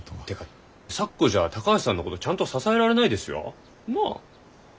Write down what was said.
てか咲子じゃ高橋さんのことちゃんと支えられないですよ。なあ？